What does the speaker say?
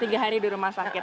tiga hari di rumah sakit